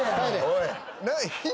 おい。